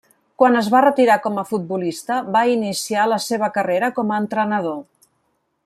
Quan es va retirar com a futbolista va iniciar la seva carrera com a entrenador.